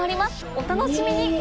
お楽しみに！